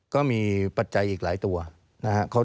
ปัจจัยอีกหลายตัวนะครับ